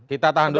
kita tahan dulu